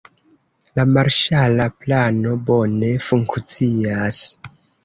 La marŝala plano bone funkcias.